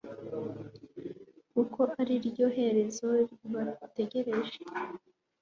kuko ariryo herezo ribategereje